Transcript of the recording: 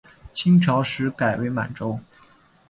清朝时改为满洲。